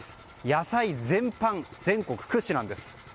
野菜全般、全国屈指なんです。